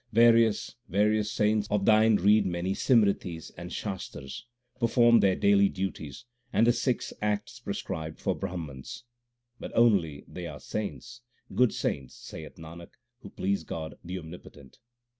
Various, various saints of Thine read many Simritis and Shastars, perform their daily duties and the six acts prescribed for Brahmans ; l But only they are saints, good saints, saith Nanak, who please God, the Omnipotent.